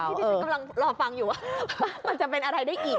นี่จริงกำลังรอฟังอยู่มันจะเป็นอะไรได้อีก